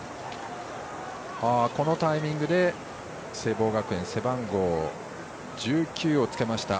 このタイミングで背番号１９をつけました